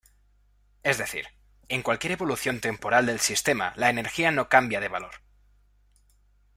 Es decir, en cualquier evolución temporal del sistema la energía no cambia de valor.